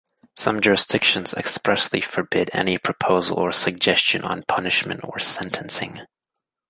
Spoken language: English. Some jurisdictions expressly forbid any proposal or suggestion on punishment or sentencing.